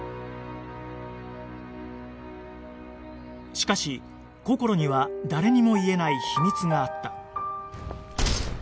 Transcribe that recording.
しかしこころには誰にも言えない秘密があった